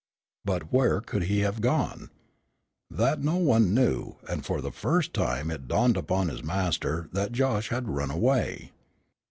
But where could he have gone? That no one knew, and for the first time it dawned upon his master that Josh had run away.